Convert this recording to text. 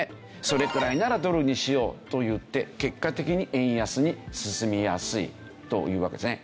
「それくらいならドルにしよう」といって結果的に円安に進みやすいというわけですね。